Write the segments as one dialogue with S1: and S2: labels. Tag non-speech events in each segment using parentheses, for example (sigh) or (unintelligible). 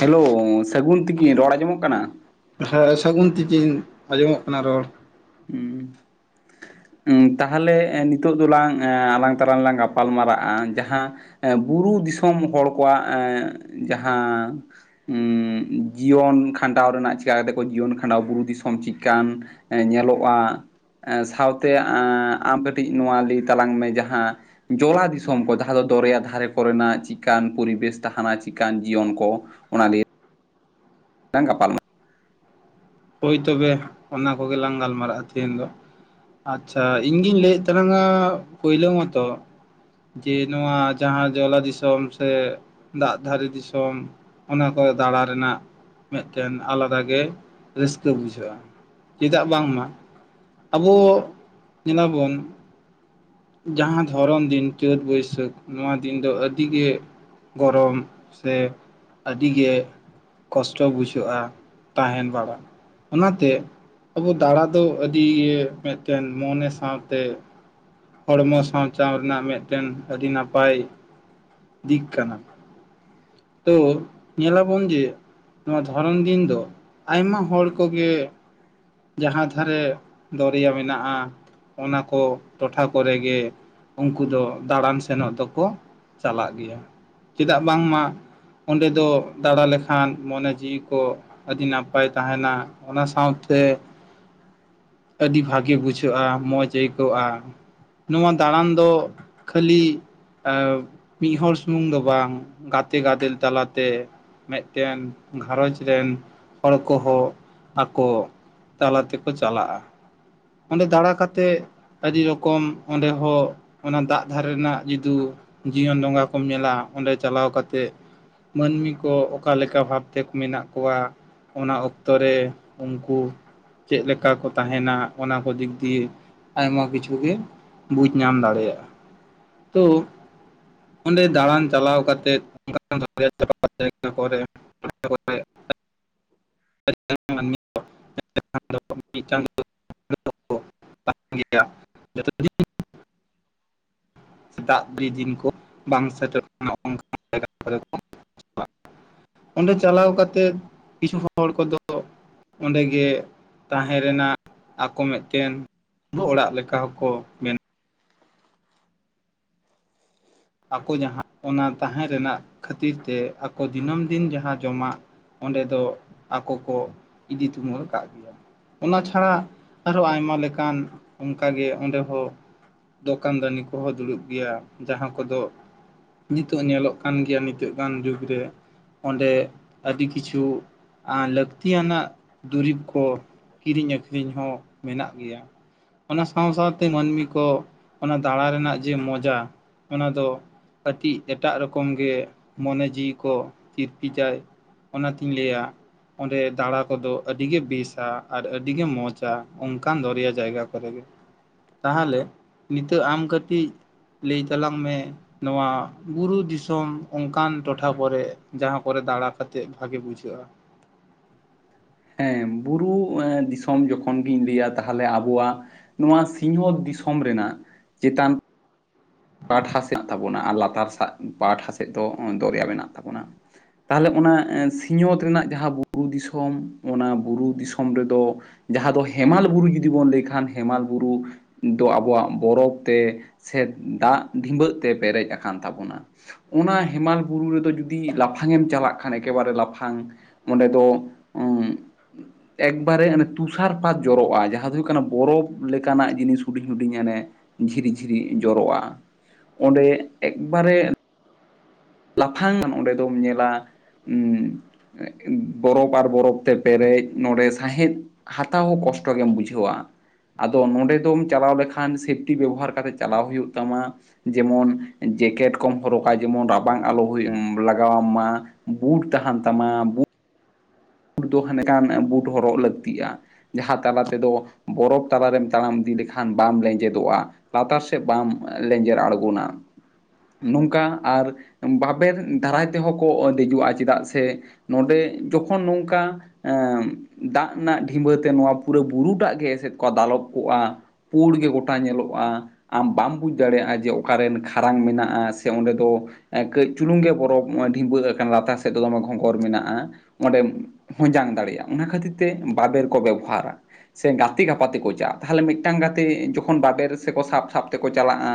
S1: Hello ᱥᱟᱹᱜᱩᱱ ᱛᱤᱠᱤᱱ, ᱨᱚᱲ ᱟᱸᱡᱚᱢᱚᱜ ᱠᱟᱱᱟ?
S2: ᱦᱮᱸ ᱥᱟᱹᱜᱩᱱ ᱛᱮᱠᱤᱱ, ᱟᱸᱡᱚᱢᱚᱜ ᱠᱟᱱᱟ ᱨᱚᱲ᱾
S1: ᱦᱩᱸ᱾ ᱩᱸ ᱛᱟᱦᱚᱞᱮ ᱮ ᱱᱤᱛᱚᱜ ᱫᱚᱞᱟᱝ ᱮᱸ ᱟᱞᱟᱝ ᱛᱟᱞᱟ ᱨᱮᱞᱟᱝ ᱜᱟᱯᱟᱞ ᱢᱟᱨᱟᱜᱼᱟ ᱡᱟᱦᱟᱸ ᱮᱸ ᱵᱩᱨᱩ ᱫᱤᱥᱚᱢ ᱦᱚᱲ ᱠᱚᱣᱟᱜ ᱮᱸ ᱡᱟᱦᱟᱸ ᱩᱸᱜ ᱡᱤᱭᱚᱱ ᱠᱷᱟᱸᱰᱟᱣ ᱨᱮᱱᱟᱜ ᱪᱤᱠᱟ ᱠᱟᱛᱮ ᱠᱚ ᱡᱤᱭᱚᱱ ᱠᱷᱟᱸᱰᱟᱣ ᱵᱩᱨᱩ ᱫᱤᱥᱚᱢ ᱪᱤᱫᱠᱟᱱ ᱮᱸ ᱧᱮᱞᱚᱜᱼᱟ᱾ ᱮᱸ ᱥᱟᱶᱛᱮ ᱟ ᱟᱢ ᱠᱟᱹᱴᱤᱡ ᱱᱚᱣᱟ ᱞᱟᱹᱭ ᱛᱟᱞᱟᱝ ᱢᱮ ᱡᱟᱦᱟᱸ ᱡᱚᱞᱟ ᱫᱤᱥᱚᱢ ᱠᱚ ᱡᱟᱦᱟᱸ ᱫᱚ ᱫᱚᱨᱭᱟ ᱫᱷᱟᱨᱮ ᱠᱚᱨᱮᱱᱟᱜ ᱪᱤᱫᱠᱟᱱ ᱯᱚᱨᱤᱵᱮᱥ ᱛᱟᱦᱮᱱᱟ ᱪᱮᱫᱠᱟᱱ ᱡᱤᱭᱚᱱ ᱠᱚ᱾ ᱚᱱᱟ (inaudible) ᱞᱟᱝ ᱜᱟᱯᱟᱞ ᱢᱟᱨᱟᱣ
S2: ᱦᱳᱭ ᱛᱚᱵᱮ ᱚᱱᱟ ᱠᱚᱜᱮ ᱞᱟᱝ ᱜᱟᱞᱢᱟᱨᱟᱜᱼᱟ ᱛᱮᱦᱤᱧ ᱫᱚ ᱾ ᱟᱪᱪᱷᱟ, ᱤᱧ ᱜᱤᱧ ᱞᱟᱹᱭᱮᱫ ᱛᱟᱞᱟᱝ-ᱟ ᱯᱳᱭᱞᱳ ᱢᱚᱛᱚ ᱡᱮ ᱱᱚᱣᱟ ᱡᱟᱦᱟᱸ ᱡᱚᱞᱟ ᱫᱤᱥᱚᱢ ᱥᱮ ᱫᱟᱜ ᱫᱷᱟᱨᱮ ᱫᱤᱥᱚᱢ ᱚᱱᱟ ᱠᱚᱨᱮ ᱫᱟᱬᱟ ᱨᱮᱱᱟᱜ ᱢᱤᱫᱴᱮᱱ ᱟᱞᱟᱫᱟ ᱜᱮ ᱨᱟᱹᱥᱠᱟᱹ ᱵᱩᱡᱷᱟᱹᱜᱼᱟ, ᱪᱮᱫᱟᱜ ᱵᱟᱝᱢᱟ ᱟᱵᱚ ᱧᱮᱞᱟ ᱵᱚᱱ ᱡᱟᱦᱟᱸ ᱫᱷᱚᱨᱚᱱ ᱫᱤᱱ ᱪᱟᱹᱛ ᱵᱟᱹᱭᱥᱟᱹᱠᱷ ᱱᱚᱣᱟ ᱫᱤᱱ ᱫᱚ ᱟᱹᱰᱤᱜᱮ ᱜᱚᱨᱚᱢ ᱥᱮ ᱟᱹᱰᱤ ᱜᱮ ᱠᱚᱥᱴᱚ ᱵᱩᱡᱷᱟᱹᱜᱼᱟ, ᱛᱟᱦᱮᱱ ᱵᱟᱲᱟ ᱾ ᱚᱱᱟᱛᱮ ᱟᱵᱚ ᱫᱟᱬᱟ ᱫᱚ ᱟᱹᱰᱤ ᱢᱤᱫᱴᱮᱱ ᱢᱚᱱᱮ ᱥᱟᱶᱛᱮ ᱦᱚᱲᱢᱚ ᱥᱟᱶᱪᱟᱣ ᱨᱮᱱᱟᱜ ᱢᱤᱫᱴᱮᱱ ᱟᱹᱰᱤ ᱱᱟᱯᱟᱭ ᱫᱤᱠ ᱠᱟᱱᱟ ᱾ ᱛᱚ ᱧᱮᱞᱟ ᱵᱚᱱ ᱡᱮ ᱱᱚᱣᱟ ᱫᱷᱚᱨᱚᱢ ᱫᱤᱱ ᱫᱚ ᱟᱭᱢᱟ ᱦᱚᱲ ᱠᱚᱜᱮ ᱡᱟᱦᱟᱸ ᱫᱷᱟᱨᱮ ᱫᱚᱨᱭᱟ ᱢᱮᱱᱟᱜ-ᱟ ᱚᱱᱟ ᱠᱚ ᱴᱚᱴᱷᱟ ᱠᱚᱨᱮ ᱜᱮ ᱩᱱᱠᱩ ᱫᱚ ᱫᱟᱬᱟᱱ ᱥᱮᱱᱚᱜ ᱫᱚᱠᱚ ᱪᱟᱞᱟᱜ ᱜᱮᱭᱟ ᱾ ᱪᱮᱫᱟᱜ ᱵᱟᱝᱢᱟ ᱚᱸᱰᱮ ᱫᱚ ᱫᱟᱬᱟ ᱞᱮᱠᱷᱟᱱ ᱢᱚᱱᱮ ᱡᱤᱣᱤ ᱠᱚ ᱟᱹᱰᱤ ᱱᱟᱯᱟᱭ ᱛᱟᱦᱮᱱᱟ ᱚᱱᱟ ᱥᱟᱶᱛᱮ ᱟᱹᱰᱤ ᱵᱷᱟᱹᱜᱮ ᱵᱩᱡᱷᱟᱹᱜ-ᱟ, ᱢᱚᱡᱽ ᱟᱹᱭᱠᱟᱹᱜ-ᱟ᱾ ᱱᱚᱣᱟ ᱫᱟᱬᱟᱱ ᱫᱚ ᱠᱷᱟᱹᱞᱤ ᱟᱻ ᱢᱤᱫ ᱦᱚᱲᱚᱲ ᱥᱩᱢᱩᱝ ᱫᱚ ᱵᱟᱝ ᱜᱟᱛᱮ ᱜᱟᱫᱮᱞ ᱛᱟᱞᱟᱛᱮ ᱢᱤᱫᱴᱮᱱ ᱜᱷᱟᱨᱚᱸᱡᱽ ᱨᱮᱱ ᱦᱚᱲ ᱠᱚᱦᱚᱸ ᱟᱠᱚ ᱛᱟᱞᱟ ᱛᱮᱠᱚ ᱪᱟᱞᱟᱜ-ᱟ ᱾ ᱚᱸᱰᱮ ᱫᱟᱬᱟ ᱠᱟᱛᱮᱜ ᱟᱹᱰᱤ ᱨᱚᱠᱚᱢ ᱚᱸᱰᱮ ᱦᱚᱸ ᱚᱱᱟ ᱫᱟᱜ ᱫᱷᱟᱨᱮ ᱨᱮᱱᱟᱜ ᱡᱩᱫᱤ ᱡᱤᱭᱚᱱ ᱰᱚᱸᱜᱟ ᱠᱚᱢ ᱧᱮᱞᱟ ᱚᱸᱰᱮ ᱪᱟᱞᱟᱣ ᱠᱟᱛᱮᱜ ᱢᱟᱹᱱᱢᱤ ᱠᱚ ᱚᱠᱟ ᱞᱮᱠᱟ ᱵᱷᱟᱵᱽ ᱛᱮᱠᱚ ᱢᱮᱱᱟᱜ ᱠᱚᱣᱟ ᱚᱱᱟ ᱚᱠᱛᱚ ᱨᱮ ᱩᱱᱠᱩ ᱪᱮᱫ ᱞᱮᱠᱟ ᱠᱚ ᱛᱟᱦᱮᱱᱟ ᱚᱱᱟ ᱠᱚ ᱫᱤᱠ ᱫᱤᱭᱮ ᱟᱭᱢᱟ ᱠᱤᱪᱷᱩ ᱜᱮ ᱵᱩᱡᱽ ᱧᱟᱢ ᱫᱟᱲᱮᱭᱟᱜ-ᱟ ᱾ ᱛᱚ ᱚᱸᱰᱮ ᱫᱟᱬᱟᱱ ᱪᱟᱞᱟᱣ ᱠᱟᱛᱮ (unintelligible) ᱡᱟᱭᱜᱟ ᱠᱚᱨᱮ ᱢᱤᱫᱴᱟᱝ (unintelligible) ᱥᱮ ᱫᱟᱜ ᱫᱤᱱ ᱠᱚ ᱵᱟᱝ ᱥᱮᱴᱮᱨᱚᱜ ᱠᱟᱱᱟ ᱚᱱᱠᱟ ᱡᱟᱭᱜᱟ ᱠᱚᱨᱮ᱾ ᱚᱸᱰᱮ ᱪᱟᱞᱟᱣ ᱠᱟᱛᱮᱫ ᱠᱤᱪᱷᱩ ᱦᱚᱲ ᱠᱚᱫᱚ ᱚᱸᱰᱮ ᱜᱮ ᱛᱟᱦᱮᱸ ᱨᱮᱱᱟᱜ ᱟᱠᱚ ᱢᱤᱫᱴᱮᱱ ᱚᱲᱟᱜ ᱞᱮᱠᱟ ᱦᱚᱸᱠᱚ ᱵᱮ ᱟᱠᱚ ᱡᱟᱦᱟᱸ ᱚᱱᱟ ᱛᱟᱦᱮᱸ ᱨᱮᱱᱟᱜ ᱠᱷᱟᱹᱛᱤᱨ ᱛᱮ ᱟᱠᱚ ᱫᱤᱱᱟᱹᱢ ᱫᱤᱱ ᱡᱟᱦᱟᱸ ᱡᱚᱢᱟᱜ ᱚᱸᱰᱮ ᱫᱚ ᱟᱠᱚ ᱠᱚ ᱤᱫᱤ ᱛᱩᱢᱟᱹᱞ ᱟᱠᱟᱜ ᱜᱮᱭᱟ ᱾ ᱚᱱᱟ ᱪᱷᱟᱲᱟ ᱟᱨᱦᱚᱸ ᱟᱭᱢᱟ ᱞᱮᱠᱟᱱ ᱚᱱᱠᱟ ᱜᱮ ᱚᱸᱰᱮ ᱦᱚᱸ ᱫᱚᱠᱟᱱ ᱫᱟᱱᱤ ᱠᱚᱦᱚᱸ ᱫᱩᱲᱩᱵ ᱜᱮᱭᱟ ᱡᱟᱦᱟᱸ ᱠᱚᱫᱚ ᱱᱤᱛᱚᱜ ᱧᱮᱞᱚᱜ ᱠᱟᱱ ᱜᱮᱭᱟ ᱱᱤᱛᱚᱜ ᱜᱟᱱ ᱡᱩᱜᱽ ᱨᱮ ᱚᱸᱰᱮ ᱟᱹᱰᱤ ᱠᱤᱪᱷᱩ ᱟᱹᱻ ᱞᱟᱹᱠᱛᱤᱭᱟᱱᱟᱜ ᱫᱩᱨᱤᱵᱽ ᱠᱚ ᱠᱤᱨᱤᱧ ᱟᱠᱷᱨᱤᱧ ᱦᱚᱸ ᱢᱮᱱᱟᱜ ᱜᱮᱭᱟ ᱾ ᱚᱱᱟ ᱥᱟᱶ ᱥᱟᱶᱛᱮ ᱢᱟᱹᱱᱢᱤ ᱠᱚ ᱚᱱᱟ ᱫᱟᱬᱟ ᱨᱮᱱᱟᱜ ᱡᱮ ᱢᱚᱡᱟ ᱚᱱᱟ ᱫᱚ ᱠᱟᱹᱴᱤᱡ ᱮᱴᱟᱜ ᱨᱚᱠᱚᱢ ᱜᱮ ᱢᱚᱱᱮ ᱡᱤᱣᱤ ᱠᱚ ᱛᱤᱨᱯᱤᱡᱟᱭ ᱚᱱᱟᱛᱤᱧ ᱞᱟᱹᱭᱟ ᱚᱸᱰᱮ ᱫᱟᱬᱟ ᱠᱚᱫᱚ ᱟᱹᱰᱤᱜᱮ ᱵᱮᱥᱟ ᱟᱨ ᱟᱹᱰᱤᱜᱮ ᱢᱚᱸᱡᱟ ᱚᱱᱠᱟᱱ ᱫᱚᱨᱭᱟ ᱡᱟᱭᱜᱟ ᱠᱚᱨᱮ ᱜᱮ᱾ ᱛᱟᱦᱚᱞᱮ ᱱᱤᱛᱚᱜ ᱟᱢ ᱠᱟᱹᱴᱤᱡ ᱞᱟᱹᱭ ᱛᱟᱞᱟᱝ ᱢᱮ ᱱᱚᱣᱟ ᱵᱩᱨᱩ ᱫᱤᱥᱚᱢ ᱚᱱᱠᱟᱱ ᱴᱚᱴᱷᱟ ᱠᱚᱨᱮ ᱡᱟᱦᱟᱸ ᱠᱚᱨᱮ ᱫᱟᱲᱟ ᱠᱟᱛᱮᱫ ᱵᱷᱟᱜᱮ ᱵᱩᱡᱷᱟᱹᱜᱼᱟ᱾
S1: ᱦᱮᱸ ᱵᱩᱨᱩ ᱫᱤᱥᱚᱢ ᱡᱚᱠᱷᱚᱱ ᱜᱤᱧ ᱞᱟᱹᱭᱟ ᱛᱟᱦᱞᱮ ᱟᱵᱚᱣᱟᱜ ᱱᱚᱣᱟ ᱥᱤᱧᱚᱛ ᱫᱤᱥᱚᱢ ᱨᱮᱱᱟᱜ ᱪᱮᱛᱟᱱ ᱯᱟᱴᱷᱟ ᱥᱮᱫ ᱛᱟᱵᱚᱱᱟ ᱟᱨ ᱞᱟᱛᱟᱨ ᱯᱟᱴᱷᱟ ᱥᱮᱫ ᱫᱚ ᱫᱚᱨᱭᱟ ᱢᱮᱱᱟᱜ ᱛᱟᱵᱚᱱᱟ᱾ ᱛᱟᱦᱚᱞᱮ ᱚᱱᱟ ᱥᱤᱧ ᱚᱛ ᱨᱮᱱᱟᱜ ᱡᱟᱦᱟᱸ ᱵᱩᱨᱩ ᱫᱤᱥᱚᱢ ᱚᱱᱟ ᱵᱩᱨᱩ ᱫᱤᱥᱚᱢ ᱨᱮᱫᱚ ᱡᱟᱦᱟᱸ ᱫᱚ ᱦᱮᱢᱟᱞ ᱵᱩᱨᱩ ᱡᱩᱫᱤ ᱵᱚᱱ ᱞᱟᱹᱭ ᱠᱷᱟᱱ ᱦᱮᱢᱟᱞ ᱵᱩᱨᱩ ᱫᱚ ᱟᱵᱚᱣᱟᱜ ᱵᱚᱨᱚᱯ ᱛᱮ ᱥᱮ ᱫᱟᱜ ᱰᱷᱤᱵᱟᱹᱜ ᱛᱮ ᱯᱮᱨᱮᱡ ᱟᱠᱟᱱ ᱛᱟᱵᱚᱱᱟ᱾ ᱚᱱᱟ ᱦᱮᱢᱟᱞ ᱵᱩᱨᱩ ᱨᱮᱫᱚ ᱡᱩᱫᱤ ᱞᱟᱯᱷᱟᱝ ᱮᱢ ᱪᱟᱞᱟᱜ ᱠᱷᱟᱱ ᱮᱠᱮᱵᱟᱨᱮ ᱞᱟᱯᱷᱟᱝ ᱚᱸᱰᱮ ᱫᱚ ᱩᱸᱜ ᱮᱠᱵᱟᱨᱮ ᱛᱩᱥᱟᱨ ᱯᱟᱛ ᱡᱚᱨᱚᱜᱼᱟ, ᱡᱟᱦᱟᱸ ᱫᱚ ᱦᱩᱭᱩᱜ ᱠᱟᱱᱟ ᱵᱚᱨᱚᱯᱷ ᱞᱮᱠᱟᱱᱟᱜ ᱡᱤᱱᱤᱥ ᱦᱩᱰᱤᱧ ᱦᱩᱰᱤᱧ ᱦᱟᱸᱱᱮ ᱡᱷᱤᱨᱤ ᱡᱷᱤᱨᱤ ᱡᱚᱨᱚᱜᱼᱟ ᱚᱸᱰᱮ ᱮᱠᱵᱟᱨᱮ ᱞᱟᱯᱷᱟᱝ ᱟᱱ ᱚᱸᱰᱮ ᱫᱚᱢ ᱧᱮᱞᱟ ᱩᱸ ᱵᱚᱨᱚᱯᱷ ᱟᱨ ᱵᱚᱨᱚᱯᱷ ᱛᱮ ᱯᱮᱨᱮᱡ ᱱᱚᱰᱮ ᱥᱟᱸᱦᱮᱫ ᱦᱟᱛᱟᱣ ᱦᱚᱸ ᱠᱚᱥᱴᱚ ᱜᱮᱢ ᱵᱩᱡᱷᱟᱹᱣᱟ᱾ ᱟᱫᱚ ᱱᱚᱸᱰᱮ ᱫᱚᱢ ᱪᱟᱞᱟᱣ ᱞᱮᱠᱷᱟᱱ ᱥᱮᱯᱴᱤ ᱵᱮᱵᱚᱦᱟᱨ ᱠᱟᱛᱮᱫ ᱪᱟᱞᱟᱣ ᱦᱩᱭᱩᱜ ᱛᱟᱢᱟ᱾ ᱡᱮᱢᱚᱱ ᱡᱮᱠᱮᱴ ᱠᱚᱢ ᱦᱚᱨᱚᱜᱟ ᱡᱮᱢᱚᱱ ᱨᱟ ᱵᱟᱝ ᱟᱞᱚ ᱦᱳᱭ ᱩᱸ ᱞᱟᱜᱟᱣ ᱟᱢᱟ ᱵᱩᱴ ᱛᱟᱦᱮᱸᱱ ᱛᱟᱢᱟ ᱵᱩ ᱵᱩᱴ ᱫᱚ ᱦᱟᱸᱱᱮᱠᱟᱱ ᱵᱩᱴ ᱦᱚᱨᱚᱜ ᱞᱟᱹᱠᱛᱤᱜᱼᱟ᱾ ᱡᱟᱦᱟᱸ ᱛᱟᱞᱟ ᱛᱮᱫᱚ ᱵᱚᱨᱚᱯᱷ ᱛᱟᱞᱞᱟᱮᱢ ᱛᱟᱲᱟᱢ ᱤᱫᱤ ᱞᱮᱠᱷᱟᱱ ᱵᱟᱢ ᱞᱮᱸᱡᱮᱫᱚᱜᱼᱟ᱾ ᱞᱟᱛᱟᱨ ᱥᱮᱫ ᱵᱟᱢ ᱞᱮᱸᱡᱮᱨ ᱟᱬᱜᱚᱱᱟ, ᱱᱚᱝᱠᱟ ᱟᱨ ᱵᱟᱵᱮᱨ ᱫᱟᱨᱟᱭ ᱛᱮᱦᱚᱸ ᱠᱚ ᱫᱮᱡᱚᱜᱼᱟ ᱪᱮᱫᱟᱜ ᱥᱮ ᱱᱚᱸᱰᱮ ᱡᱚᱠᱷᱚᱱ ᱱᱚᱝᱠᱟ ᱮᱸ ᱫᱟᱜ ᱨᱮᱱᱟᱜ ᱰᱷᱤᱵᱟᱹ ᱛᱮ ᱱᱚᱣᱟ ᱯᱩᱨᱟᱹ ᱵᱩᱨᱩᱴᱟᱜ ᱜᱮ ᱮᱥᱮᱫ ᱠᱚ ᱫᱟᱞᱚᱵ ᱠᱚᱜᱼᱟ, ᱯᱩᱬ ᱜᱮ ᱜᱚᱴᱟ ᱧᱮᱞᱚᱜᱼᱟ᱾ ᱟᱢ ᱵᱟᱢ ᱵᱩᱡᱽ ᱫᱟᱲᱮᱭᱟᱜᱼᱟ ᱡᱮ ᱚᱠᱟᱨᱮᱱ ᱠᱷᱟᱨᱟᱝ ᱢᱮᱱᱟᱜᱼᱟ ᱥᱮ ᱚᱸᱰᱮ ᱫᱚ ᱮᱸ ᱠᱟᱹᱡ ᱪᱩᱞᱩᱝ ᱜᱮ ᱵᱚᱨᱚᱵ ᱰᱷᱤᱸᱵᱟᱹᱜ ᱠᱟᱱ ᱞᱟᱛᱟᱨ ᱥᱮᱫ ᱫᱚ ᱫᱚᱢᱮ ᱜᱷᱚᱸᱜᱚᱨ ᱢᱮᱱᱟᱜᱼᱟ, ᱚᱸᱰᱮᱢ ᱦᱚᱡᱟᱝ ᱫᱟᱲᱮᱭᱟᱜᱼᱟ, ᱚᱱᱟ ᱠᱷᱟᱹᱛᱤᱨ ᱛᱮ ᱵᱟᱵᱮᱨ ᱠᱚ ᱵᱮᱵᱚᱦᱟᱨᱟ᱾ ᱥᱮ ᱜᱟᱛᱮ ᱜᱟᱯᱟᱛᱮᱠᱚ ᱪᱟᱜ ᱛᱟᱦᱚᱞᱮ ᱢᱤᱫᱴᱟᱱ ᱜᱟᱛᱮ ᱡᱚᱠᱷᱚᱱ ᱵᱟᱵᱮᱨ ᱥᱮᱠᱚ ᱥᱟᱵ ᱥᱟᱵ ᱛᱮᱠᱚ ᱪᱟᱞᱟᱜᱼᱟ,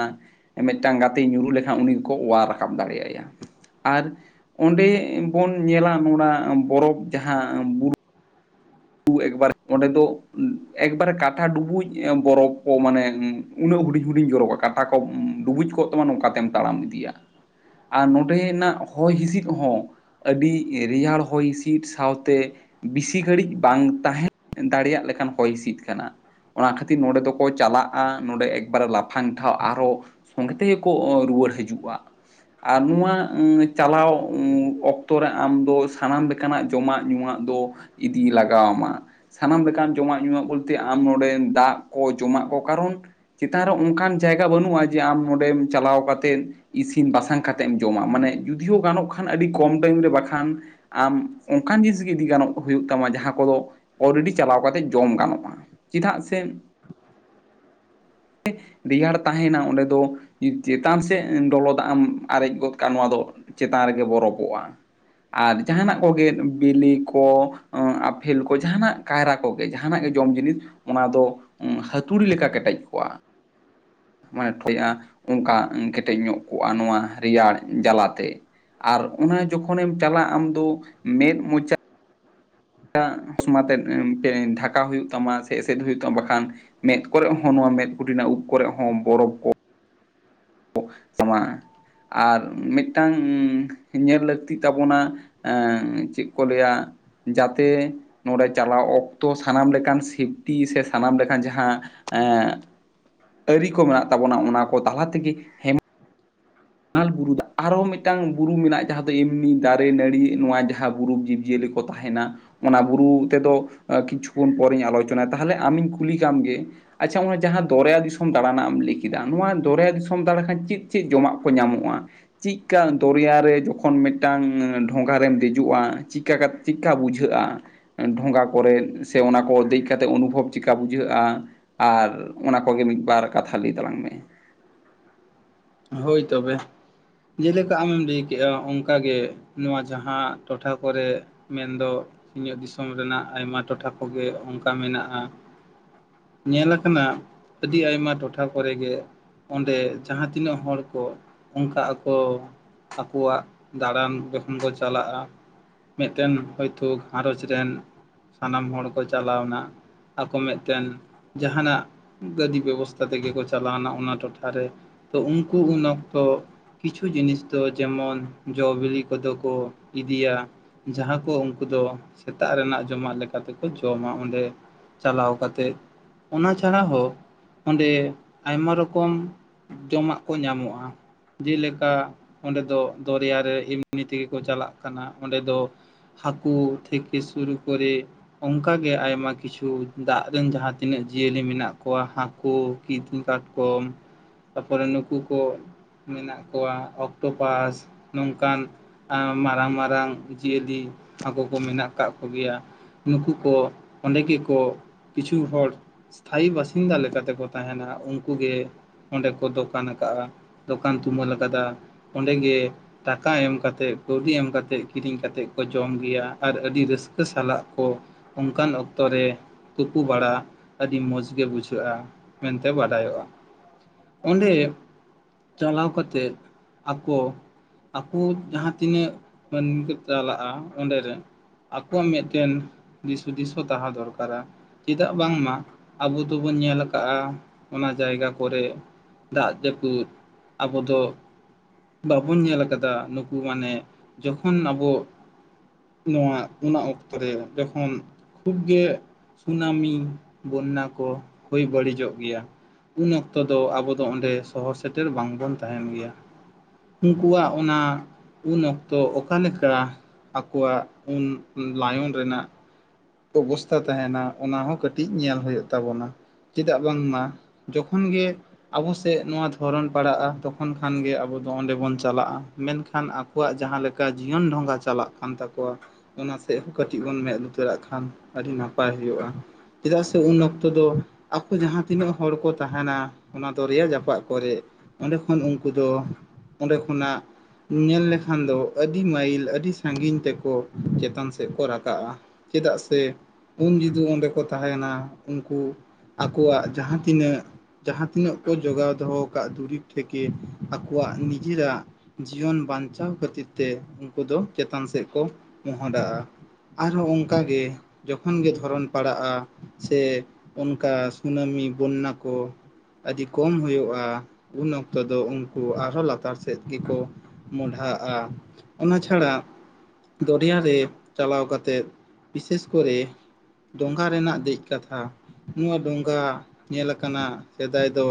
S1: ᱢᱤᱫᱴᱟᱝ ᱜᱟᱛᱮᱭ ᱧᱩᱨᱩᱨᱩᱜ ᱞᱮᱠᱷᱟᱱ ᱩᱱᱤ ᱜᱮᱠᱚ ᱚᱣᱟᱨ ᱨᱟᱠᱟᱵ ᱫᱟᱲᱮᱭᱟᱭᱟ᱾ ᱟᱨ ᱚᱸᱰᱮ ᱵᱚᱱ ᱧᱮᱞᱟ ᱱᱚᱣᱟ ᱵᱚᱨᱚᱯᱷ ᱡᱟᱦᱟᱸ ᱵᱩ ᱨᱩ ᱮᱠᱵᱟᱨᱮ ᱚᱸᱰᱮ ᱫᱚ ᱮᱠᱵᱟᱨᱮ ᱠᱟᱴᱷᱟ ᱰᱩᱵᱩᱡ ᱵᱚᱨᱚᱯᱷ ᱠᱚ ᱢᱟᱱᱮ ᱩᱱᱟᱹᱜ ᱦᱩᱰᱤᱧ ᱦᱩᱰᱤᱧ ᱡᱚᱨᱚᱜᱼᱟ ᱠᱟᱴᱟ ᱠᱚᱢ ᱰᱩᱵᱩᱡ ᱠᱚᱜ ᱛᱟᱢᱟ ᱱᱚᱝᱠᱟᱛᱮᱢ ᱛᱟᱲᱟᱢ ᱤᱫᱤᱭᱟ᱾ ᱟᱨ ᱱᱚᱰᱮᱱᱟᱜ ᱦᱚᱭ ᱦᱤᱸᱥᱤᱫ ᱦᱚᱸ, ᱟᱹᱰᱤ ᱨᱮᱭᱟᱲ ᱦᱚᱭ ᱦᱤᱸᱤᱥᱤᱫ ᱥᱟᱶᱛᱮ ᱵᱤᱥᱤ ᱜᱷᱟᱹᱲᱤᱡ ᱵᱟᱝ ᱛᱟᱦᱮᱸ ᱫᱟᱲᱮᱭᱟᱜ ᱞᱮᱠᱟᱱ ᱦᱚᱭ ᱦᱤᱸᱥᱤᱫ ᱠᱟᱱᱟ᱾ ᱚᱱᱟ ᱠᱷᱟᱹᱛᱤᱨ ᱱᱚᱸᱰᱮ ᱫᱚᱠᱚ ᱪᱟᱞᱟᱜᱼᱟ ᱱᱚᱰᱮ ᱮᱠᱵᱟᱨᱮ ᱞᱟᱯᱷᱟᱝ ᱴᱷᱟᱶ ᱟᱨᱦᱚ ᱥᱚᱸᱜᱮ ᱛᱮᱜᱮᱠᱚ ᱨᱩᱣᱟᱹᱲ ᱦᱤᱡᱩᱜᱼᱟ᱾ ᱟᱨ ᱱᱚᱣᱟ ᱪᱟᱞᱟᱣ ᱚᱠᱛᱚ ᱨᱮ ᱟᱢ ᱫᱚ ᱥᱟᱱᱟᱢ ᱞᱮᱠᱟᱱᱟᱜ ᱡᱚᱢᱟᱜ ᱧᱩᱣᱟᱜ ᱫᱚ ᱤᱫᱤ ᱞᱟ ᱜᱟᱣ ᱟᱢᱟ, ᱥᱟᱱᱟᱢ ᱞᱮᱠᱟᱱ ᱡᱚᱢᱟᱜ ᱧᱩᱣᱟᱜ ᱵᱚᱞᱛᱮ ᱟᱢ ᱱᱚᱰᱮ ᱫᱟᱜ ᱠᱚ ᱡᱚᱢᱟᱜ ᱠᱚ ᱠᱟᱨᱚᱱ ᱪᱮᱛᱟᱱ ᱨᱮ ᱚᱝᱠᱟᱱ ᱡᱟᱭᱜᱟ ᱵᱟᱹᱱᱩᱜᱼᱟ ᱡᱮ ᱟᱢ ᱱᱚᱸᱰᱮᱢ ᱪᱟᱞᱟᱣ ᱠᱟᱛᱮᱫ ᱤᱥᱤᱱ ᱵᱟᱥᱟᱝ ᱠᱟᱛᱮᱫ ᱮᱢ ᱡᱚᱢᱟ, ᱢᱟᱱᱮ ᱡᱩᱫᱤ ᱦᱚᱸ ᱜᱟᱱᱚᱜ ᱠᱷᱟᱱ ᱟᱹᱰᱤ ᱠᱚᱢ ᱴᱟᱭᱤᱢ ᱨᱮ ᱵᱟᱠᱷᱟᱱ ᱟᱢ ᱚᱝᱠᱟᱱ ᱡᱤᱱᱤᱥ ᱜᱮ ᱤᱫᱤ ᱜᱟᱱᱚᱜ ᱦᱩᱭᱩᱜ ᱛᱟᱢᱟ ᱡᱟᱦᱟᱸ ᱠᱚᱫᱚ ᱚᱞᱨᱮᱰᱤ ᱪᱟᱞᱟᱣ ᱠᱟᱛᱮ ᱡᱚᱢ ᱜᱟᱱᱚᱜᱼᱟ, ᱪᱮᱫᱟᱜ ᱥᱮ ᱨᱮᱭᱟᱲ ᱛᱟᱦᱮᱱᱟ ᱚᱸᱰᱮ ᱫᱚ ᱾ ᱪᱮᱛᱟᱱ ᱥᱮᱫ ᱞᱚᱞᱚ ᱫᱟᱜ ᱮᱢ ᱟᱨᱮᱡ ᱜᱚᱫ ᱠᱟᱜᱼᱟ, ᱱᱚᱣᱟ ᱫᱚ ᱪᱮᱛᱟᱱ ᱨᱮᱜᱮ ᱵᱚᱨᱚᱯᱚᱜᱼᱟ᱾ ᱟᱨ ᱡᱟᱦᱟᱱᱟᱜ ᱠᱚᱜᱮ ᱵᱤᱞᱤ ᱠᱚ, ᱯᱷᱮᱞ ᱠᱚ, ᱡᱟᱦᱟᱱᱟᱜ ᱠᱟᱭᱨᱟ ᱠᱚᱜᱮ, ᱡᱟᱦᱟᱱᱟᱜ ᱜᱮ ᱡᱚᱢ ᱡᱤᱱᱤᱥ ᱚᱱᱟ ᱫᱚ ᱦᱟᱹᱛᱩᱲᱤ ᱞᱮᱠᱟ ᱠᱮᱴᱮᱡ ᱠᱚᱜᱼᱟ᱾ ᱢᱟᱱᱮ ᱴᱷᱚᱡᱼᱟ, ᱚᱱᱠᱟ ᱠᱮᱴᱮᱡ ᱧᱚᱜ ᱠᱚᱜᱼᱟ ᱱᱚᱣᱟ ᱨᱮᱭᱟᱲ ᱡᱟᱞᱟᱛᱮ᱾ ᱟᱨ ᱚᱱᱟ ᱡᱚᱠᱷᱚᱱᱮᱢ ᱪᱟᱞᱟᱜᱼᱟ, ᱟᱢ ᱫᱚ ᱢᱮᱫ, ᱢᱚᱪᱟ ᱮᱴᱟᱜ ᱦᱚᱥᱢᱟᱛᱮᱫ ᱰᱷᱟᱠᱟᱣ ᱦᱩᱭᱩᱜ ᱛᱟᱢᱟ, ᱥᱮ ᱮᱥᱮᱫ ᱦᱩᱭᱩᱜ ᱛᱟᱢᱟ ᱵᱟᱠᱷᱟᱱ ᱢᱮᱸᱫ ᱠᱚᱨᱮᱜ ᱦᱚᱸ ᱱᱚᱣᱟ ᱢᱮᱫ ᱠᱩᱴᱤ ᱨᱮᱱᱟᱜ ᱩᱵ ᱠᱚᱨᱮᱜ ᱦᱚᱸ ᱵᱚᱨᱚᱯᱷ ᱠᱚ ᱟᱨ ᱢᱤᱫᱴᱟᱝ ᱧᱮᱞ ᱞᱟᱹᱠᱛᱤᱜ ᱛᱟᱵᱚᱱᱟ, ᱮᱸ ᱪᱮᱫ ᱠᱚ ᱞᱟᱹᱭᱟ ᱡᱟᱛᱮ ᱱᱚᱸᱰᱮ ᱪᱟᱞᱟᱣ ᱚᱠᱛᱚ ᱥᱟᱱᱟᱢ ᱞᱮᱠᱟᱱ ᱥᱤᱯᱴᱤ ᱥᱮ ᱥᱟᱱᱟᱢ ᱞᱮᱠᱟᱱ ᱡᱟᱦᱟᱸ ᱮᱸ ᱟᱹᱨᱤ ᱠᱚ ᱢᱮᱱᱟᱜ ᱛᱟᱵᱚᱱᱟ, ᱚᱱᱟ ᱠᱚ ᱛᱟᱞᱟ ᱛᱮᱜᱮ ᱦᱮ ᱦᱮᱢᱟᱞ ᱵᱩᱨᱩ ᱟᱨᱚ ᱢᱤᱫᱴᱟᱝ ᱵᱩᱨᱩ ᱢᱮᱱᱟᱜᱼᱟ, ᱡᱟᱦᱟᱸ ᱫᱚ ᱮᱢᱱᱤ ᱫᱟᱨᱮ ᱱᱟᱹᱲᱤ ᱱᱚᱣᱟ ᱡᱟᱦᱟᱸ ᱵᱩᱨᱩ ᱡᱤᱵᱽᱼᱡᱤᱭᱟᱹᱞᱤ ᱠᱚ, ᱠᱚ ᱛᱟᱦᱮᱱᱟ, ᱚᱱᱟ ᱵᱩᱨᱩ ᱛᱮᱫᱚ ᱠᱤᱪᱷᱩᱠᱷᱚᱱ ᱯᱚᱨᱮᱧ ᱟᱞᱳᱪᱚᱱᱟᱭᱟ, ᱛᱟᱦᱞᱮ ᱟᱢᱤᱧ ᱠᱩᱞᱤ ᱠᱟᱢ ᱜᱮ᱾ ᱟᱪᱪᱷᱟ ᱚᱱᱟ ᱡᱟᱦᱟᱸ ᱫᱚᱨᱭᱟ ᱫᱤᱥᱚᱢ ᱫᱟᱲᱟᱱ ᱨᱮᱱᱟᱜ ᱮᱢ ᱞᱟᱹᱭ ᱠᱮᱫᱟ, ᱱᱚᱣᱟ ᱫᱚᱨᱭᱟ ᱫᱤᱥᱚᱢ ᱫᱟᱲᱟᱱ ᱪᱮᱫ ᱪᱮᱫ ᱡᱚᱢᱟᱜ ᱠᱚ ᱧᱟᱢᱚᱜᱼᱟ᱾ ᱪᱤᱫᱠᱟ ᱫᱚᱨᱭᱟ ᱨᱮ ᱡᱚᱠᱷᱚᱱ ᱢᱤᱫᱴᱟᱝ ᱰᱷᱚᱸᱜᱟ ᱨᱮᱢ ᱫᱮᱡᱚᱜᱼᱟ, ᱪᱤᱫᱠᱟ ᱠᱟᱛᱮᱜ ᱪᱮᱫᱠᱟᱹ ᱵᱩᱡᱷᱟᱹᱜᱼᱟ? ᱰᱷᱚᱸᱜᱟ ᱠᱚᱨᱮ ᱫᱮᱡ ᱥᱮ ᱚᱱᱟ ᱠᱚ ᱫᱮᱡ ᱠᱟᱛᱮᱫ ᱚᱱᱩᱵᱷᱚᱵ ᱪᱮᱫᱠᱟ ᱵᱩᱡᱷᱟᱹᱜᱼᱟ? ᱟᱨ ᱚᱱᱟ ᱠᱚᱜᱮ ᱢᱤᱫᱵᱟᱨ ᱠᱟᱛᱷᱟ ᱞᱟᱹᱭ ᱛᱟᱞᱟᱝ ᱢᱮ᱾
S2: ᱦᱳᱭ ᱛᱚᱵᱮ, ᱡᱮᱞᱮᱠᱟ ᱟᱢᱮᱢ ᱞᱟᱹᱭ ᱠᱮᱜᱼᱟ, ᱚᱱᱠᱟ ᱜᱮ ᱱᱚᱣᱟ ᱡᱟᱦᱟᱸ ᱴᱚᱴᱷᱟ ᱠᱚᱨᱮ ᱢᱮᱱᱫᱚ ᱤᱧᱟᱹᱜ ᱫᱤᱥᱚᱢ ᱨᱮᱱᱟᱜ ᱟᱭᱢᱟ ᱴᱚᱴᱷᱟ ᱠᱚᱜᱮ ᱚᱱᱠᱟ ᱢᱮᱱᱟᱜᱼᱟ᱾ ᱧᱮᱞ ᱟᱠᱟᱱᱟ, ᱟᱹᱰᱤ ᱟᱭᱢᱟ ᱴᱚᱴᱷᱟ ᱠᱚᱨᱮ ᱜᱮ ᱚᱸᱰᱮ ᱡᱟᱦᱟᱸ ᱛᱤᱱᱟᱹᱜ ᱛᱤᱱᱟᱹᱜ ᱦᱚᱲ ᱠᱚ ᱚᱱᱠᱟᱜ ᱟᱠᱚ, ᱟᱠᱚᱣᱟᱜ ᱫᱟᱬᱟᱱ ᱡᱚᱠᱷᱚᱱ ᱠᱚ ᱪᱟᱞᱟᱜᱼᱟ, ᱢᱤᱫᱴᱮᱱ ᱦᱚᱭᱛᱳ ᱜᱷᱟᱨᱚᱸᱡᱽ ᱨᱮᱱ ᱥᱟᱱᱟᱢ ᱦᱚᱲ ᱠᱚ ᱪᱟᱞᱟᱣ ᱱᱟ᱾ ᱟᱠᱚ ᱢᱤᱫᱴᱮᱱ ᱡᱟᱦᱟᱱᱟᱜ ᱜᱟᱹᱰᱤ ᱵᱮᱵᱚᱥᱛᱟ ᱛᱮᱜᱮ ᱠᱚ ᱪᱟᱞᱟᱣᱱᱟ ᱚᱱᱟ ᱴᱚᱴᱷᱟᱨ ᱨᱮ ᱾ ᱛᱚ ᱩᱱᱠᱩ ᱩᱱ ᱚᱠᱛᱚ, ᱠᱤᱪᱷᱩ ᱡᱤᱱᱤᱥ ᱫᱚ ᱡᱮᱢᱚᱱ ᱡᱚ ᱵᱤᱞᱤ ᱠᱚᱫᱚ ᱠᱚ ᱤᱫᱤᱭᱟ᱾ ᱡᱟᱦᱟᱸ ᱠᱚ ᱩᱱᱠᱩ ᱫᱚ ᱥᱮᱛᱟᱜ ᱨᱮᱱᱟᱜ ᱡᱚᱢᱟᱜ ᱞᱮᱠᱟ ᱞᱮᱠᱟᱛᱮ ᱠᱚ ᱡᱚᱢᱟ ᱚᱸᱰᱮ ᱾ ᱪᱟᱞᱟᱣ ᱠᱟᱛᱮᱜ, ᱚᱱᱟ ᱪᱷᱟᱲᱟ ᱦᱚᱸ ᱚᱸᱰᱮ ᱟᱭᱢᱟ ᱨᱚᱠᱚᱢ ᱡᱚᱢᱟᱜ ᱠᱚ ᱧᱟᱢᱚᱜᱼᱟ᱾ ᱡᱮᱞᱮᱠᱟ ᱚᱸᱰᱮ ᱫᱚ ᱫᱚᱨᱭᱟ ᱨᱮ ᱮᱢᱱᱤ ᱛᱮᱜᱮ ᱠᱚ ᱪᱟᱞᱟᱜ ᱠᱟᱱᱟ ᱚᱸᱰᱮ ᱫᱚ ᱾ ᱦᱟᱹᱠᱩ ᱛᱷᱮᱠᱮ ᱥᱩᱨᱩ ᱠᱚᱨᱮ, ᱚᱱᱠᱟᱜᱮ ᱟᱭᱢᱟ ᱠᱤᱪᱷᱩ ᱫᱟᱜ ᱨᱮᱱ ᱡᱟᱦᱟᱸ ᱛᱤᱱᱟᱹᱜ ᱡᱤᱭᱟᱹᱞᱤ ᱢᱮᱱᱟᱜ ᱠᱚᱣᱟ᱾ ᱦᱟᱹᱠᱩ, ᱠᱤᱫᱤᱧ ᱠᱟᱴᱠᱚᱢ, ᱛᱟᱨᱯᱚᱨᱮ ᱱᱩᱠᱩ ᱠᱚ ᱢᱮᱱᱟᱜ ᱠᱚᱣᱟ, ᱚᱠᱴᱳ ᱯᱟᱥ ᱱᱚᱝᱠᱟᱱ ᱢᱟᱨᱟᱝ ᱢᱟᱨᱟᱝ ᱡᱤᱭᱟᱹᱞᱤ ᱦᱟᱹᱠᱩ ᱠᱚ ᱢᱮᱱᱟᱜ ᱟᱠᱟᱫ ᱠᱚᱜᱮᱭᱟ ᱾ ᱱᱩᱠᱩ ᱠᱚ ᱚᱸᱰᱮ ᱜᱮᱠᱚ ᱠᱤᱪᱷᱩ ᱦᱚᱲ, ᱥᱛᱷᱟᱭᱤ ᱵᱟᱥᱤᱱᱫᱟ ᱞᱮᱠᱟᱛᱮᱠᱚ ᱛᱟᱦᱮᱱᱟ᱾ ᱩᱱᱠᱩ ᱜᱮ ᱚᱸᱰᱮ ᱠᱚ ᱫᱳᱠᱟᱱ ᱟᱠᱟᱜᱼᱟ᱾ ᱫᱚᱠᱟᱱ ᱛᱩᱢᱟᱹᱞ ᱟᱠᱟᱫᱟ᱾ ᱚᱸᱰᱮᱜᱮ ᱴᱟᱠᱟ ᱮᱢ ᱠᱟᱛᱮᱫ, ᱠᱟᱹᱣᱰᱤ ᱮᱢ ᱠᱟᱛᱮᱫ, ᱠᱤᱨᱤᱧ ᱠᱟᱛᱮᱫ ᱠᱚ ᱡᱚᱢ ᱜᱮᱭᱟ᱾ ᱟᱨ ᱟᱹᱰᱤ ᱨᱟᱹᱥᱠᱟᱹ ᱥᱟᱞᱟᱜ ᱠᱚ ᱚᱱᱠᱟᱱ ᱚᱠᱛᱚᱨᱮ ᱛᱳᱯᱩ ᱵᱟᱲᱟ ᱟᱹᱰᱤ ᱢᱚᱸᱡᱽᱜᱮ ᱵᱩᱡᱷᱟᱹᱜᱼᱟ ᱾ ᱢᱮᱱᱛᱮ ᱵᱟᱰᱟᱭ ᱚᱜ-ᱟ᱾ ᱚᱸᱰᱮ ᱪᱟᱞᱟᱣ ᱠᱟᱛᱮᱫ ᱟᱠᱚ ᱟᱠᱩ ᱡᱟᱦᱟᱸ ᱛᱤᱱᱟᱹᱜ ᱢᱟᱹᱱᱢᱤ ᱠᱚ ᱪᱟᱞᱟᱜ-ᱟ ᱚᱸᱰᱮ ᱨᱮ᱾ ᱟᱠᱚᱣᱟᱜ ᱢᱤᱫᱴᱮᱱ ᱫᱤᱥ ᱦᱩᱫᱤᱥ ᱦᱚᱸ ᱛᱟᱦᱮᱸ ᱫᱚᱨᱠᱟᱨᱟ᱾ ᱪᱮᱫᱟᱜ ᱵᱟᱝᱢᱟ ᱟᱵᱚ ᱫᱚᱵᱚᱱ ᱧᱮᱞ ᱟᱠᱟᱟᱜ-ᱟ ᱚᱱᱟ ᱡᱟᱭᱜᱟ ᱠᱚᱨᱮ ᱫᱟᱜ ᱡᱟᱹᱯᱩᱫ ᱟᱵᱚ ᱫᱚ ᱵᱟᱵᱚᱱ ᱧᱮᱞ ᱟᱠᱟᱫᱟ ᱱᱩᱠᱩ ᱢᱟᱱᱮ ᱡᱚᱠᱷᱚᱱ ᱟᱵᱚ ᱱᱚᱣᱟ ᱚᱱᱟ ᱚᱠᱛᱚ ᱨᱮ ᱡᱚᱠᱷᱚᱱ ᱠᱷᱩᱵ ᱜᱮ ᱥᱩᱱᱟᱢᱤ ᱵᱚᱱᱱᱟ ᱠᱚ ᱦᱩᱭ ᱵᱟᱹᱲᱤᱡᱚᱜ ᱜᱮᱭᱟ ᱩᱱ ᱚᱠᱛᱚ ᱫᱚ ᱟᱵᱚ ᱫᱚ ᱚᱸᱰᱮ ᱥᱚᱦᱚᱨ ᱥᱮᱴᱮᱨ ᱵᱟᱝᱵᱚᱱ ᱛᱟᱦᱮᱱ ᱜᱮᱭᱟ᱾ ᱩᱱᱠᱩᱣᱟᱜ ᱚᱱᱟ ᱩᱱ ᱚᱠᱛᱚ ᱚᱠᱟ ᱞᱮᱠᱟ? ᱟᱠᱚᱣᱟᱜ ᱩᱱ ᱞᱟᱭᱚᱱ ᱨᱮᱱᱟᱜ ᱚᱵᱚᱥᱛᱷᱟ ᱛᱟᱦᱮᱱᱟ ᱚᱱᱟ ᱦᱚᱸ ᱠᱟᱹᱴᱤᱡ ᱧᱮᱞ ᱦᱩᱭᱩᱜ ᱛᱟᱵᱚᱱᱟ᱾ ᱪᱮᱫᱟᱜ ᱵᱟᱝᱢᱟ ᱡᱚᱠᱷᱚᱱ ᱜᱮ ᱟᱵᱚ ᱥᱮᱫ ᱱᱚᱣᱟ ᱫᱷᱚᱨᱚᱱ ᱯᱟᱲᱟᱜ-ᱟ ᱛᱚᱠᱷᱚᱱ ᱠᱷᱟᱱ ᱜᱮ ᱟᱵᱚ ᱫᱚ ᱚᱸᱰᱮ ᱵᱚᱱ ᱪᱟᱞᱟᱜ-ᱟ ᱢᱮᱱᱠᱷᱟᱱ ᱟ- ᱟᱠᱚᱣᱟᱜ ᱡᱟᱦᱟᱸ ᱞᱮᱠᱟ ᱡᱤᱭᱚᱱ ᱰᱷᱚᱸᱜᱟ ᱪᱟᱞᱟᱜ ᱠᱟᱱ ᱛᱟᱠᱚᱣᱟ ᱚᱱᱟ ᱥᱮᱫ ᱦᱚᱸ ᱠᱟᱹᱴᱤᱡ ᱵᱚᱱ ᱢᱮᱸᱫ ᱞᱩᱛᱟᱹᱨᱟᱜ ᱠᱷᱟ- ᱠᱷᱟᱱ ᱟᱹᱰᱤ ᱱᱟᱯᱟᱭ ᱦᱩᱭᱩᱜ-ᱟ, ᱪᱮᱫᱟᱜ ᱥᱮ ᱩᱱ ᱚᱠᱛᱚ ᱫᱚ ᱟᱠᱚ ᱡᱟᱦᱟᱸ ᱛᱤᱱᱟᱹᱜ ᱦᱚᱲ ᱠᱚ ᱛᱟᱦᱮᱱᱟ ᱚᱱᱟ ᱫᱚᱨᱭᱟ ᱡᱟᱯᱟ ᱠᱚᱨᱮᱫ ᱚᱸᱰᱮ ᱠᱷᱚᱱ ᱩᱱᱠᱩ ᱫᱚ ᱚᱸᱰᱮ ᱠᱷᱚᱱᱟᱜ ᱧᱮᱞ ᱞᱮᱠᱷᱟᱱ ᱫᱚ ᱟᱹᱰᱤ ᱢᱟᱭᱤᱞ ᱟᱹᱰᱤ ᱥᱟᱺᱜᱤᱧ ᱛᱮᱠᱚ ᱪᱮᱛᱟᱱ ᱥᱮᱫ ᱠᱚ ᱨᱟᱠᱟᱵ-ᱟ᱾ ᱪᱮᱫᱟᱜ ᱥᱮ ᱩᱱ ᱡᱩᱫᱤ ᱚᱸᱰᱮ ᱠᱚ ᱛᱟᱦᱮᱱᱟ ᱩᱱᱠᱩ ᱟᱠᱚᱣᱟᱜ ᱡᱟᱦᱟᱸ ᱛᱤᱱᱟᱹᱜ ᱡᱟᱦᱟᱸ ᱛᱤᱱᱟᱹᱜ ᱠᱚ ᱡᱚᱜᱟᱣ ᱫᱚᱦᱚ ᱟᱠᱟᱫ ᱫᱩᱨᱤᱵᱽ ᱛᱷᱮᱠᱮ ᱟᱠᱚᱣᱟᱜ ᱱᱤᱡᱮᱨᱟᱜ ᱡᱤᱭᱚᱱ ᱵᱟᱧᱪᱟᱣ ᱠᱷᱟᱹᱛᱤᱨ ᱛᱮ ᱩᱱᱠᱩ ᱫᱚ ᱪᱮᱛᱟᱱ ᱥᱮᱫ ᱠᱚ ᱢᱚᱦᱰᱟᱜ-ᱟ᱾ ᱟᱨᱦᱚᱸ ᱚᱱᱠᱟᱜᱮ ᱡᱚᱠᱷᱚᱱᱜ ᱜᱮ ᱫᱷᱚᱨᱚᱱ ᱯᱟᱲᱟᱜ-ᱟ᱾ ᱥᱮ ᱚᱱᱠᱟ ᱥᱩᱱᱟᱹᱢᱤ ᱵᱚᱱᱱᱟ ᱠᱚ᱾ ᱟᱹᱰᱤ ᱠᱚᱢ ᱦᱩᱭᱩᱜ-ᱟ ᱩᱱ ᱚᱠᱛᱚ ᱫᱚ ᱩᱱᱠᱩ ᱟᱨᱦᱚᱸ ᱞᱟᱛᱟᱨ ᱥᱮᱫ ᱜᱮᱠᱚ ᱢᱚᱰᱟᱜ-ᱟ ᱚᱱᱟ ᱪᱷᱟᱲᱟ ᱫᱚᱨᱭᱟ ᱨᱮ ᱪᱟᱞᱟᱣ ᱠᱟᱛᱮᱫ ᱵᱤᱥᱮᱥ ᱠᱚᱨᱮ ᱰᱚᱸᱜᱷᱟ ᱨᱮᱱᱟᱜ ᱫᱮᱡ ᱠᱟᱛᱷᱟ ᱱᱚᱣᱟ ᱰᱚᱸᱜᱟ ᱧᱮᱞ ᱟᱠᱟᱱᱟ ᱥᱮᱫᱟᱭ ᱫᱚ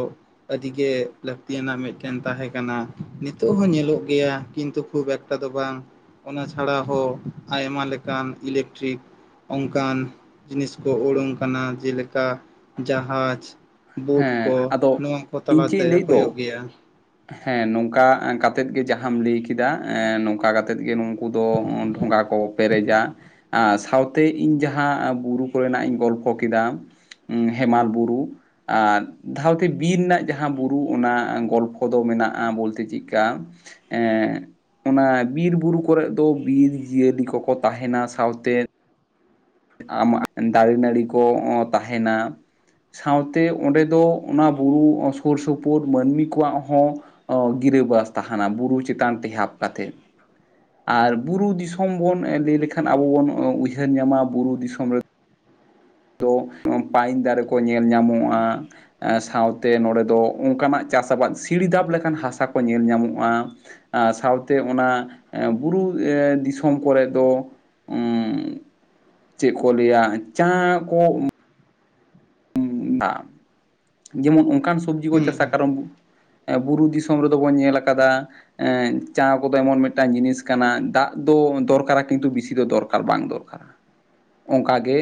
S2: ᱟᱹᱰᱤ ᱜᱮ ᱞᱟᱹᱠᱛᱤ ᱟᱱᱟᱜ ᱢᱤᱫᱴᱮᱱ ᱛᱟᱦᱮᱸ ᱠᱟᱱᱟ ᱱᱤᱛᱚᱜ ᱦᱚᱸ ᱧᱮᱞᱚᱜ ᱜᱮᱭᱟ ᱠᱤᱱᱛᱩ ᱠᱷᱩᱵ ᱮᱠ- ᱮᱴᱟ ᱫᱚ ᱵᱟᱝ ᱚᱱᱟ ᱪᱷᱟᱲᱟ ᱦᱚᱸ ᱟᱭᱢᱟ ᱞᱮᱠᱟᱱ ᱤᱞᱮᱠᱴᱨᱤᱠ ᱚᱱᱠᱟᱱ ᱡᱤᱱᱤᱥ ᱠᱚ ᱩᱲᱩᱝ ᱠᱟᱱᱟ ᱡᱮᱞᱮᱠᱟ ᱡᱟᱦᱟᱡᱽ, ᱵᱩᱴ ᱠᱚ
S1: ᱦᱮᱸ ᱟᱫᱚ
S2: ᱱᱚᱣᱟ ᱠᱚ
S1: ᱤᱧ ᱪᱮᱫ
S2: ᱛᱟᱞᱟᱛᱮ
S1: ᱤᱧ ᱞᱟᱹᱭᱮᱫ ᱫᱚ
S2: ᱦᱩᱭᱩᱜ ᱜᱮᱭᱟ᱾
S1: ᱦᱮᱸ ᱱᱚᱝᱠᱟ ᱠᱟᱛᱮᱫ ᱜᱮ ᱡᱟᱦᱟᱸ ᱟᱢ ᱞᱟᱹᱭ ᱠᱮᱫᱟ ᱱᱚᱝᱠᱟ ᱠᱟᱛᱮᱫ ᱜᱮ ᱱᱩᱝᱠᱩ ᱫᱚ ᱰᱷᱚᱸᱜᱟ ᱠᱚ ᱯᱮᱨᱮᱡᱟ ᱟᱨ ᱥᱟᱶᱛᱮ ᱤᱧ ᱡᱟᱦᱟᱸ ᱵᱩᱨᱩ ᱠᱚᱨᱮᱱᱟᱜ ᱤᱧ ᱜᱚᱞᱯᱷᱚ ᱠᱮᱫᱟ᱾ ᱦᱮᱢᱟᱞ ᱵᱩᱨᱩ ᱟᱨ ᱫᱷᱟᱶᱛᱮ ᱵᱤᱨ ᱨᱮᱱᱟᱜ ᱡᱟᱦᱟᱸ ᱵᱩᱨᱩ ᱚᱱᱟ ᱜᱚᱞ- ᱠᱚᱫᱚ ᱢᱮᱱᱟᱜ-ᱟ ᱵᱚᱞᱛᱮ ᱪᱮᱫᱠᱟ ᱮ ᱚᱱᱟ ᱵᱤᱨ-ᱵᱩᱨᱩ ᱠᱚᱨᱮᱫ ᱫᱚ ᱵᱤᱨ ᱡᱤᱭᱟᱹᱞᱤ ᱠᱚᱠᱚ ᱛᱟᱦᱮᱱᱟ ᱥᱟᱶᱛᱮ ᱟᱢᱟᱜ ᱫᱟᱨᱮ ᱱᱟᱹᱲᱤ ᱠᱚ ᱛᱟᱦᱮᱱᱟ᱾ ᱥᱟᱶᱛᱮ ᱚᱸᱰᱮ ᱫᱚ ᱚᱱᱟ ᱵᱩᱨᱩ ᱥᱩᱨ ᱥᱩᱯᱩᱨ ᱢᱟᱹᱱᱢᱤ ᱠᱚᱣᱟᱜ ᱦᱚᱸ ᱜᱤᱨᱟᱹ ᱵᱟᱥ ᱛᱟᱦᱟᱱᱟ ᱵᱩᱨᱩ ᱪᱮᱛᱟᱱ ᱛᱮ ᱦᱟᱯ ᱠᱟᱛᱮᱫ᱾ ᱟᱨ ᱵᱩᱨᱩ ᱫᱤᱥᱚᱢ ᱵᱚᱱ ᱞᱟᱹᱭ ᱞᱮᱠᱷᱟᱱ ᱟᱵᱚ ᱵᱚᱱ ᱩᱭᱦᱟᱹᱨ ᱧᱟᱢᱟ ᱵᱩᱨᱩ ᱫᱤᱥᱚᱢ ᱨᱮ- ᱫᱚ ᱯᱟᱭᱤᱱ ᱫᱟᱨᱮ ᱠᱚ ᱧᱮᱞ ᱧᱟᱢᱚᱜ-ᱟ᱾ ᱥᱟᱶᱛᱮ ᱱᱚᱰᱮ ᱫᱚ ᱚᱱᱠᱟᱱᱟᱜ ᱪᱟᱥ ᱟᱵᱟᱫ ᱥᱤᱲᱤᱫᱟᱵ ᱞᱮᱠᱟᱱ ᱦᱟᱥᱟ ᱠᱚ ᱧᱮᱞ ᱧᱟᱢᱚᱜ-ᱟ᱾ ᱟᱨ ᱥᱟᱶᱛᱮ ᱚᱱᱟ ᱵᱩᱨᱩ ᱫᱤᱥᱚᱢ ᱠᱚᱨᱮᱜ ᱫᱚᱼᱼ ᱪᱮᱫ ᱠᱚ ᱞᱟᱹᱭᱟ ᱪᱟ ᱠᱚᱼᱼ ᱡᱮᱢᱚᱱ ᱚᱱᱠᱟᱱ ᱥᱚᱵᱡᱤ ᱠᱚ
S2: ᱦᱩᱸ
S1: ᱪᱟᱥᱟ
S2: ᱦᱩᱸ
S1: ᱠᱟᱨᱚᱢᱼᱼ ᱵᱩᱨᱩ ᱫᱤᱥᱚᱢ ᱨᱮᱫᱚ ᱵᱚᱱ ᱧᱮᱞ ᱟᱠᱟᱫᱟ᱾ ᱪᱟ ᱠᱚᱫᱚ ᱮᱢᱚᱱ ᱢᱤᱫᱴᱟᱱ ᱡᱤᱱᱤᱥ ᱠᱟᱱᱟ ᱫᱟᱜ ᱫᱚ ᱫᱚᱨᱠᱟᱨᱟ ᱠᱤᱱᱛᱩ ᱵᱮᱥᱤ ᱫᱚ ᱫᱚᱨᱠᱟᱨ ᱵᱟᱝ ᱫᱚᱨᱠᱟᱨᱼᱼ ᱚᱱᱠᱟᱜ ᱜᱮᱼᱼ